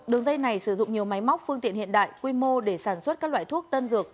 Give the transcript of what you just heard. đường dây này sử dụng nhiều máy móc phương tiện hiện đại quy mô để sản xuất các loại thuốc tân dược